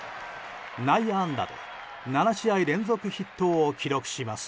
内野安打で７試合連続ヒットを記録します。